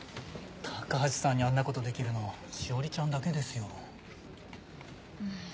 高橋さんにあんなことできるの詩織ちゃんだけですよ。